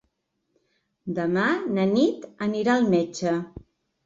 Demà na Nit anirà al metge.